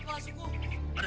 tahu pak subugero